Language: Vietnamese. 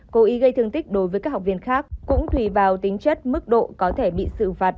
cố ý gây thương tích đối với các học viên khác cũng tùy vào tính chất mức độ có thể bị xử phạt